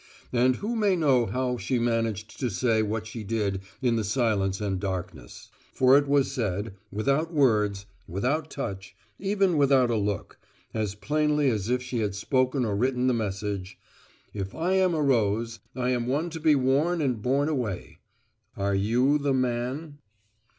And who may know how she managed to say what she did in the silence and darkness? For it was said without words, without touch, even without a look as plainly as if she had spoken or written the message: "If I am a rose, I am one to be worn and borne away. Are you the man?"